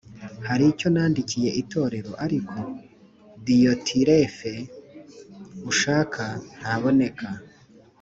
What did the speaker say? Hari icyo nandikiye itorero ariko diyotirefe ushaka ntaboneka